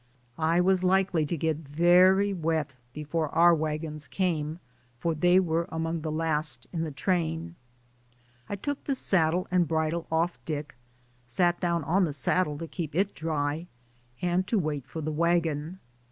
I was likely to get very wet before our wagons came, for they were among the last in the train ; I took the saddle and bridle off Dick, sat down on the saddle to keep it dry, and to wait for the wagon.